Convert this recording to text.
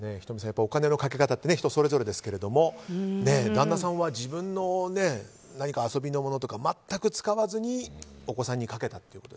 仁美さん、お金のかけ方って人それぞれですけれども旦那さんは自分の遊びのものとか全く使わずにお子さんにかけたと。